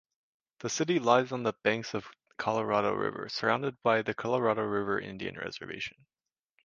The city lies on the banks of Colorado River, surrounded by the Colorado River Indian Reservation.